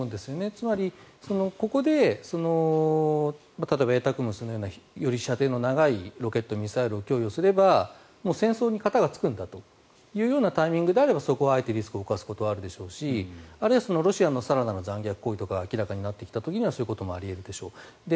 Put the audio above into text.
つまり、ここで例えばエイタクムスのようなより射程の長いロケット、ミサイルを供与すれば戦争に片がつくんだというタイミングであればそこはあえてリスクを冒すことはあるんでしょうしあるいはロシアの更なる残虐行為とかが明らかになってきた時にはそういうこともあり得るでしょう。